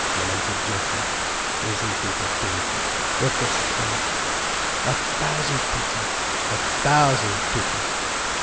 lamented Geoffrey. "Isn't it a pity! What dost say?" "A thousand pities! A thousand pities!